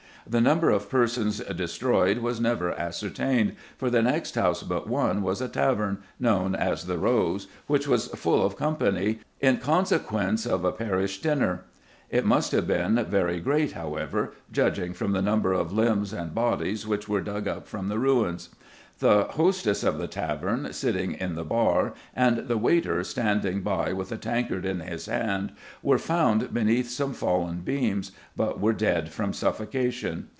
The number of persons destroyed was never ascertained, for the next house but one was a tavern, known as 'The Rose,' which was full of company, in consequence of a parish dinner: it must have been very great, however, judging from the number of limbs and bodies which were dug up from the ruins. The hostess of the tavern, sitting in the bar, and the waiter standing by with a tankard in his hand, were found beneath some fallen beams, but were dead from suffocation.